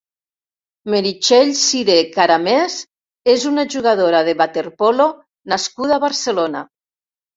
Meritxell Siré Caramés és una jugadora de waterpolo nascuda a Barcelona.